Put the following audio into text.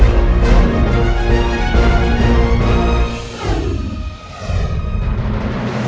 kita sudah tarik semangater nafas